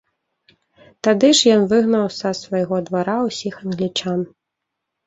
Тады ж ён выгнаў са свайго двара ўсіх англічан.